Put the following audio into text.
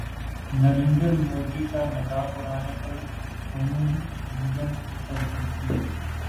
نریندر مودی کا مذاق اڑانے پر سونو نگم پر تنقید